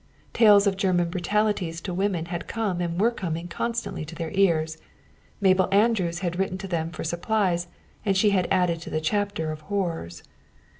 Tales of German brutalities to women had come and were coming constantly to their ears. Mabel Andrews had written to them for supplies, and she had added to the chapter of horrors.